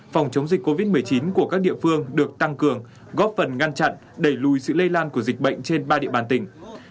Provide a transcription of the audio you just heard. phòng chống dịch covid một mươi chín của các địa phương được tăng cường góp phần ngăn chặn đẩy lùi sự lây lan của dịch bệnh trên ba địa bàn tỉnh